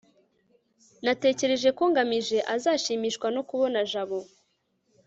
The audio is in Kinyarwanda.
natekereje ko ngamije azashimishwa no kubona jabo